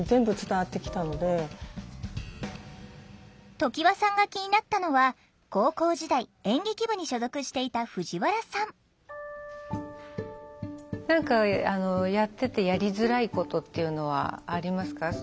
常盤さんが気になったのは高校時代演劇部に所属していた藤原さん何かやっててやりづらいことっていうのはありますか？